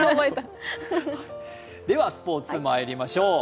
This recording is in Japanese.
では、スポーツまいりましょう。